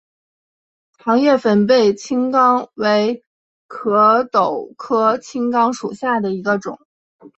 长叶粉背青冈为壳斗科青冈属下的一个种。